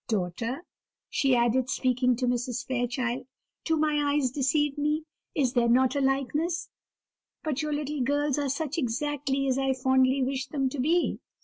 Daughter," she added, speaking to Mrs. Fairchild, "do my eyes deceive me? Is there not a likeness? But your little girls are such exactly as I fondly wished them to be.